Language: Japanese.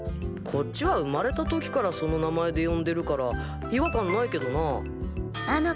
こっちは生まれた時からその名前で呼んでるから違和感ないけどな。